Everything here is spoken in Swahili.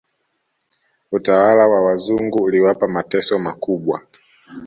Utawala wa wazungu uliwapa mateso makubwa